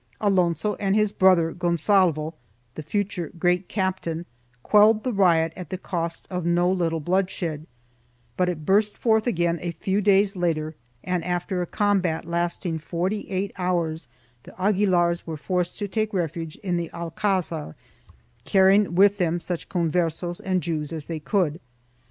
Alonso and his brother Gonsalvoi — the future Great Captain — quelled the riot at the cost of no little bloodshed, but it burst forth again a few days later and, after a combat lasting forty eight hours the Aguilars were forced to take refuge in the alcazar carrying with them such Converses and Jews as they could.